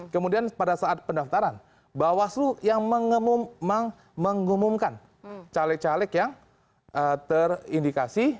kemudian pada saat pendaftaran bawaslu yang mengumumkan caleg caleg yang terindikasi